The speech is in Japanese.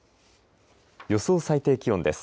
予想最低気温です。